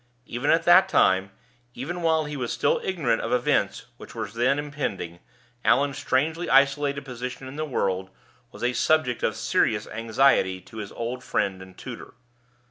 Even at that time even while he was still ignorant of events which were then impending Allan's strangely isolated position in the world was a subject of serious anxiety to his old friend and tutor.